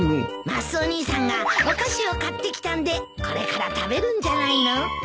マスオ兄さんがお菓子を買ってきたんでこれから食べるんじゃないの？